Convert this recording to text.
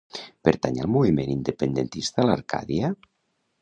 Pertany al moviment independentista l'Arcadia?